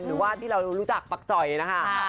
หรือว่าที่เรารู้จักปักจ่อยนะคะ